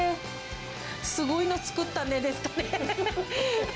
すごいの作ったねですかね。